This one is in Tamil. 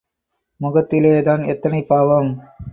முகத்திலேதான் எத்தனை பாவம்.